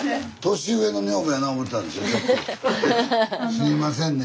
すいませんね